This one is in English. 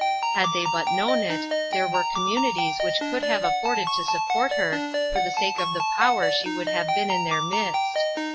Had they but known it, there were communities which could have afforded to support her for the LIFTED UP. 8l sake of the power she would have been in their midst.